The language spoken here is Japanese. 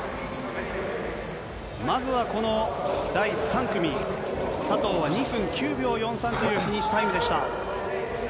まずはこの第３組、佐藤は２分９秒４３というフィニッシュタイムでした。